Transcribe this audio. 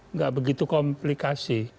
nggak begitu komplikasi